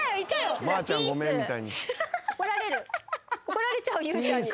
怒られちゃうゆうちゃんに。